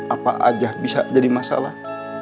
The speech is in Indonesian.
apa aja bisa jadi masalah